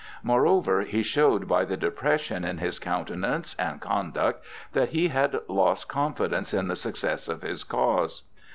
Moreover, he showed by the depression in his countenance and conduct that he had lost confidence in the success of his cause.